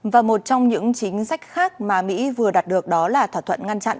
và một trong những chính sách khác mà mỹ vừa đạt được đó là thỏa thuận ngăn chặn